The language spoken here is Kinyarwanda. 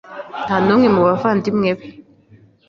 Nta n'umwe mu bavandimwe be.